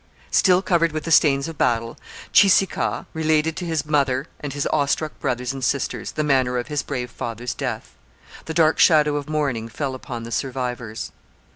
Still covered with the stains of battle, Cheeseekau related to his mother and his awestruck brothers and sisters the manner of his brave father's death. The dark shadow of mourning fell upon the survivors.